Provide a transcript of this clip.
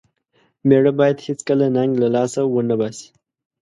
مېړه بايد هيڅکله ننګ له لاسه و نه باسي.